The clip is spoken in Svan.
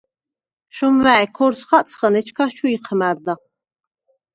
შომვა̄̈ჲ ქორს ხაწხჷნ, ეჩქას ჩუ იჴმა̈რდა.